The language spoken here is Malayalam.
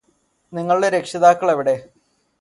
നിങ്ങളുടെ രക്ഷിതാക്കള് എവിടെ